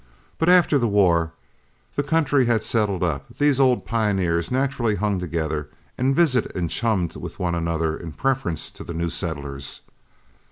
But after the war, when the country had settled up, these old pioneers naturally hung together and visited and chummed with one another in preference to the new settlers.